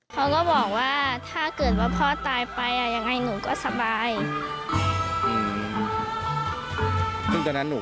พ่อก็บอกว่าถ้าเกิดว่าพ่อตายไปยังไงหนูก็สบายตอนนั้นหนู